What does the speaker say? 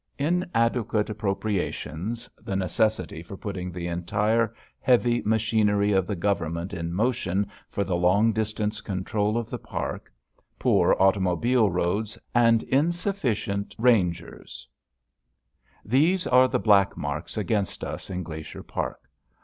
Inadequate appropriations, the necessity for putting the entire heavy machinery of the Government in motion for the long distance control of the park, poor automobile roads, and insufficient rangers these are the black marks against us in Glacier Park.